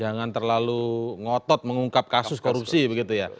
jangan terlalu ngotot mengungkap kasus korupsi begitu ya